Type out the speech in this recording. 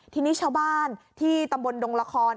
ทีนี้ชาวบ้านที่ตำบลดงละคร